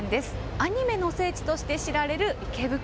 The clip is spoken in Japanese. アニメの聖地として知られる池袋。